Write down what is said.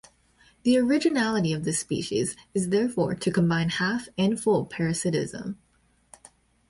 The originality of this species is therefore to combine half and full parasitism.